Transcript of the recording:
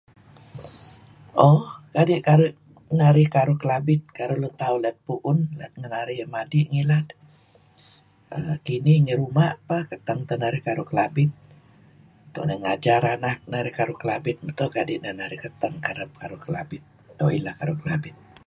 oh, kadi' narih karuh Kelabit karuh tauh let pu'un let ngan narih madi' ngilad. Kinih ngi ruma' peh keteng teh narih karuh Kelabit. Tu'en narih ngajar anak narih karuh Kelabit meto' kadi' neh narih keteng kereb karuh Kelabit, doo' ileh karuh Kelabit.